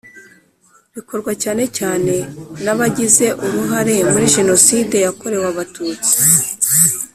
rikorwa cyane cyane n abagize uruhare muri Jenoside yakorewe Abatutsi.